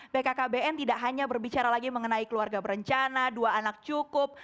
bkkbn tidak hanya berbicara lagi mengenai keluarga berencana dua anak cukup